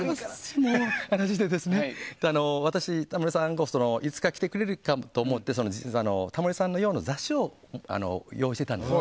私、タモリさんがいつか来てくれるかもと思ってタモリさん用の雑誌を用意してたんです。